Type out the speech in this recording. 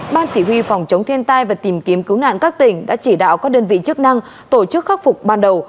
ban chỉ huy phòng chống thiên tai và tìm kiếm cứu nạn các tỉnh đã chỉ đạo các đơn vị chức năng tổ chức khắc phục ban đầu